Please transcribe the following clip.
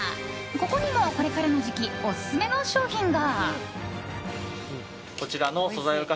ここにも、これからの時期オススメの商品が。